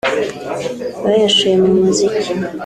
bayashoye mu muziki